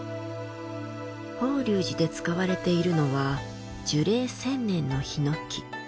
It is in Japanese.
法隆寺で使われているのは樹齢１０００年の檜。